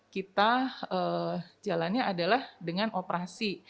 kita jalannya adalah dengan operasi